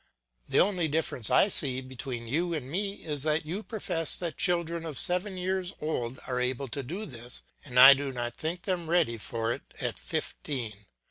The only difference I see between you and me is that you profess that children of seven years old are able to do this and I do not think them ready for it at fifteen.